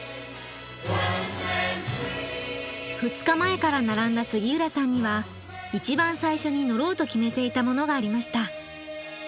２日前から並んだ杉浦さんには一番最初に乗ろうと決めていたものがありました。